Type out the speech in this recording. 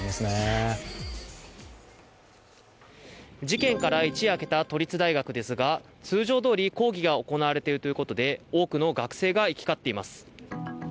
事件から一夜明けた都立大学ですが通常どおり講義が行われているということで多くの学生が行き交っています。